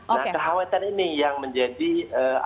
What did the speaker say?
nah kehabisan ini yang menjadi apresiasi